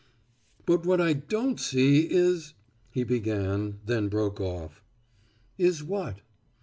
"But what I don't see is ," he began, then broke off. "Is what?"